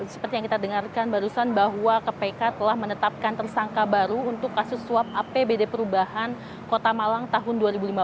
seperti yang kita dengarkan barusan bahwa kpk telah menetapkan tersangka baru untuk kasus suap apbd perubahan kota malang tahun dua ribu lima belas